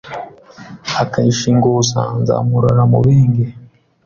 Akayishinguza nzamurora mubenge